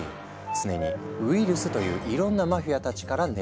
常にウイルスといういろんなマフィアたちから狙われているんだ。